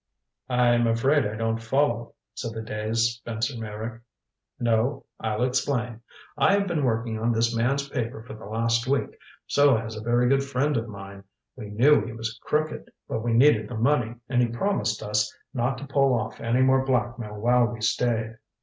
"I'm afraid I don't follow " said the dazed Spencer Meyrick. "No? I'll explain. I have been working on this man's paper for the last week. So has a very good friend of mine. We knew he was crooked, but we needed the money and he promised us not to pull off any more blackmail while we stayed.